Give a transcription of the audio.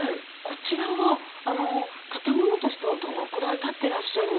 こちらは建物としてはどのくらいたってらっしゃる？